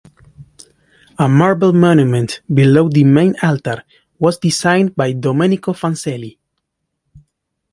A marble monument below the main altar was designed by Domenico Fancelli.